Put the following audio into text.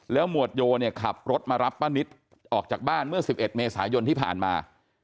หมวดโยเนี่ยขับรถมารับป้านิตออกจากบ้านเมื่อ๑๑เมษายนที่ผ่านมา